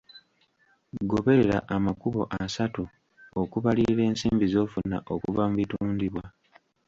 Goberera amakubo asatu okubalirira ensimbi z’ofuna okuva mu bitundibwa.